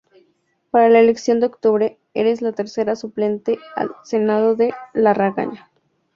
Para la elección de Octubre, es la tercer suplente al senado de Larrañaga.